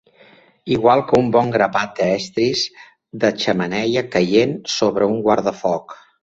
Igual que un bon grapat de estris de xemeneia caient sobre un guardafoc.